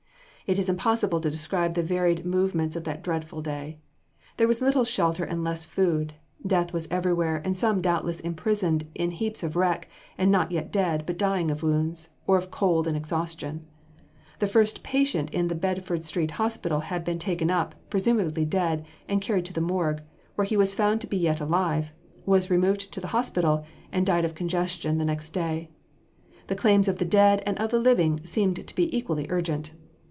It is impossible to describe the varied movements of that dreadful day. There was little shelter and less food, death everywhere, and some doubtless imprisoned in heaps of wreck, and not yet dead, but dying of wounds, or of cold and exhaustion. The first patient in the Bedford street hospital had been taken up, presumably dead, and carried to the morgue; there he was found to be yet alive, was removed to the hospital and died of congestion the next day. The claims of the dead and of the living seemed to be equally urgent.